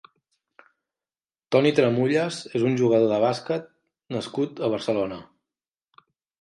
Toni Tramullas és un jugador de bàsquet nascut a Barcelona.